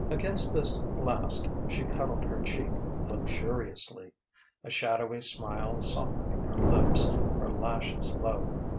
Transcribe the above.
Against this last she cuddled her cheek luxuriously, a shadowy smile softening her lips, her lashes low.